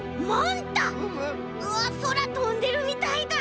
うわっそらとんでるみたいだ！